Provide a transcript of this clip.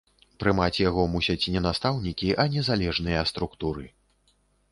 Прымаць яго мусяць не настаўнікі, а незалежныя структуры.